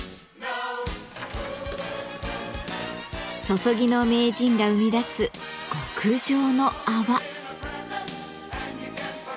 「注ぎの名人」が生み出す極上の泡。